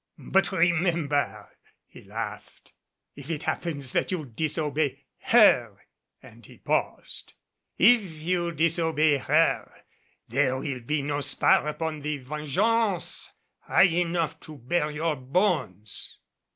But remember," he laughed, "if it happens that you disobey her" and he paused "if you disobey her, there will be no spar upon the Vengeance high enough to bear your bones!"